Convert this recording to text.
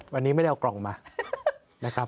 วันนี้ไม่ได้เอากล่องมานะครับ